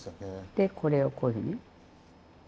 でこれをこういうふうに。